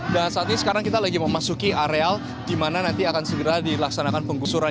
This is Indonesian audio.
dan saat ini sekarang kita lagi memasuki areal di mana nanti akan segera dilaksanakan pengusuran